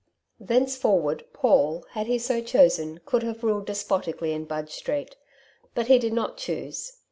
Thenceforward, Paul, had he so chosen, could have ruled despotically in Budge Street. But he did not choose.